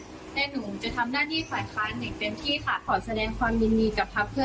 ขอให้พักเพื่อเธอทำหน้าที่เกี่ยวกับนโยบายของพักเจ้าเองอย่างเต็มที่นะคะ